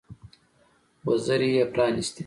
وزرې يې پرانيستې.